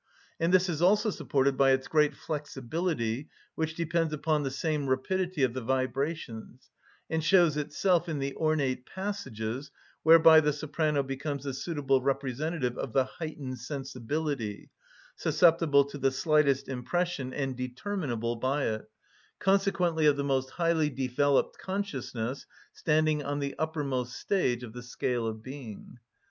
And this is also supported by its great flexibility, which depends upon the same rapidity of the vibrations, and shows itself in the ornate passages, whereby the soprano becomes the suitable representative of the heightened sensibility, susceptible to the slightest impression, and determinable by it, consequently of the most highly developed consciousness standing on the uppermost stage of the scale of being.